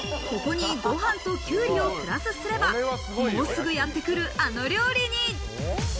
ここにご飯とキュウリをプラスすれば、もうすぐやってくるあの料理に。